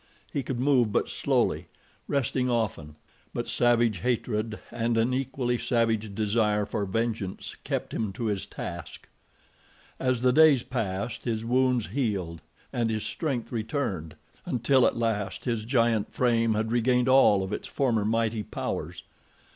He could move but slowly, resting often; but savage hatred and an equally savage desire for vengeance kept him to his task. As the days passed his wounds healed and his strength returned, until at last his giant frame had regained all of its former mighty powers.